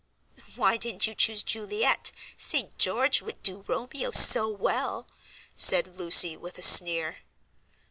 "Why didn't you choose Juliet: St. George would do Romeo so well?" said Lucy, with a sneer.